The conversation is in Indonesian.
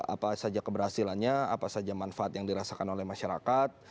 apa saja keberhasilannya apa saja manfaat yang dirasakan oleh masyarakat